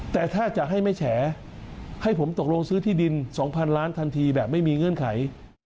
แต่ถ้าจะให้ไม่แฉให้ผมตกลงซื้อที่ดิน๒๐๐ล้านทันทีแบบไม่มีเงื่อนไข